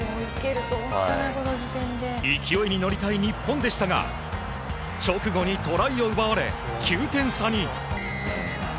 勢いに乗りたい日本でしたが直後にトライを奪われ９点差に。